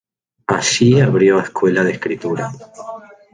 Allí abrió escuela de escritura.